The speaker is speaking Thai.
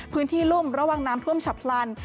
พื้นที่ลุ่มระวังน้ำช่วมฉับพลัน